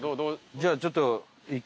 じゃあちょっと。